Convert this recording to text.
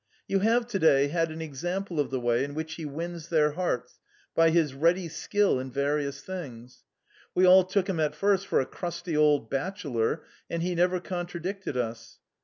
You have to day had an example of the way in which he wins their hearts by his ready skill in various things. We all took him at first for a crusty old bachelor, and he never contradicted us.